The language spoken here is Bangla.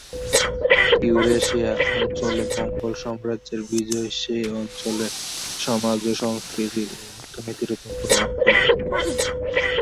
ইউরেশিয়া অঞ্চলে মঙ্গল সাম্রাজ্যের বিজয় সে অঞ্চলের সমাজ সংস্কৃতি ও অর্থনীতির উপর প্রভাব ফেলে।